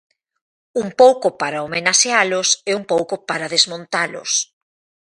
Un pouco para homenaxealos e un pouco para desmontalos.